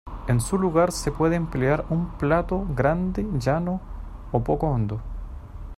En su lugar, se puede emplear un plato grande llano o poco hondo.